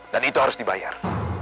dan itu harus dibayar